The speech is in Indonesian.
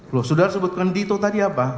lo sudara sebutkan dito tadi apa